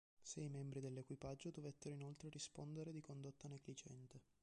Sei membri dell'equipaggio dovettero inoltre rispondere di condotta negligente.